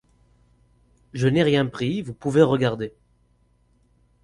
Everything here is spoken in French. Je n'ai rien pris, vous pouvez regarder.